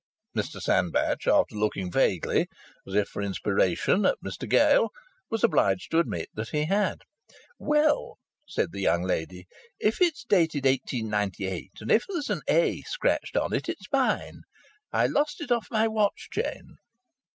Mr Sandbach, after looking vaguely, as if for inspiration, at Mr Gale, was obliged to admit that he had. "Well," said the young lady, "if it's dated 1898, and if there's an 'A' scratched on it, it's mine. I've lost it off my watch chain."